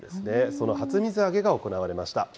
その初水揚げが行われました。